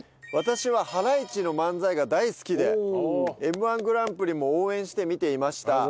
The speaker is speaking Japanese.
私はハライチの漫才が大好きでＭ−１グランプリも応援して見ていました。